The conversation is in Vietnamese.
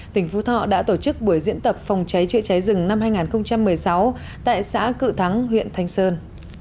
tỉnh phú thọ đã tổ chức buổi diễn tập phòng cháy chữa cháy rừng năm hai nghìn một mươi sáu tại xã cự thắng huyện thanh sơn